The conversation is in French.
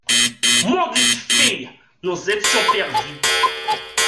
Maudite fille ! nous étions perdus.